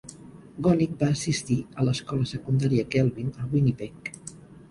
Gonick va assistir a l'escola secundària Kelvin a Winnipeg.